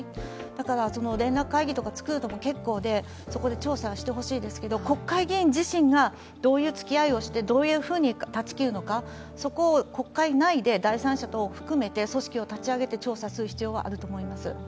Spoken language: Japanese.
だから連絡会議とか作るのも結構でそこで調査してほしいですけど、国会議員自身がどういうつきあいをしてどういうふうに断ち切るのか、そこを国会内で第三者等含めて組織を立ち上げて調査する必要はあると思います。